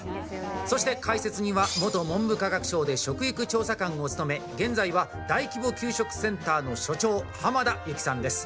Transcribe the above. そして、解説には元文部科学省で食育調査官を務め現在は大規模給食センターの所長濱田有希さんです。